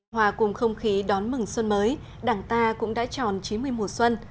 hòa cùng không khí đón mừng xuân mới đảng ta cũng đã tròn chín mươi mùa xuân